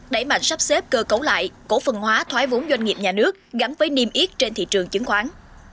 đẩy mạnh sắp xếp cơ cấu lại cổ phần hóa thoái vốn doanh nghiệp nhà nước gắn với niềm yết trên thị trường chứng khoán